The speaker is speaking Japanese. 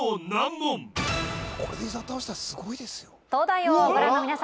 これで伊沢倒したらすごいですよ